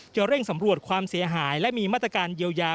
เร่งสำรวจความเสียหายและมีมาตรการเยียวยา